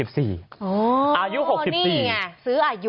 อ๋อสืออายุ